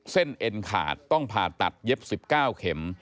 เส้นเอนขาดต้องผ่าตัดเย็บสิบเก้าเข็ม